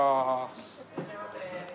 いらっしゃいませ。